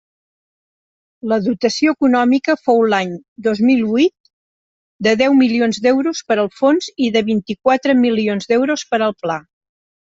La dotació econòmica fou l'any dos mil huit de deu milions d'euros per al fons i de vint-i-quatre milions d'euros per al pla.